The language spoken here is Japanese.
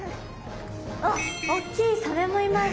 あっ大きいサメもいます！